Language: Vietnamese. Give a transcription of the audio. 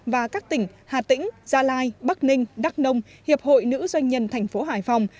và các tỉnh hà tĩnh gia lai bắc ninh đắk nông hiệp hội nữ doanh nhân tp hải phòng